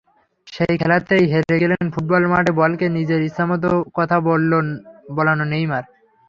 সেই খেলাতেই হেরে গেলেন ফুটবল মাঠে বলকে নিজের ইচ্ছেমতো কথা বলানো নেইমার।